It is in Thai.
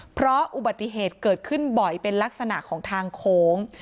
เพราะอุบัติเหตุเกิดขึ้นบ่อยเป็นลักษณะของทางโค้ง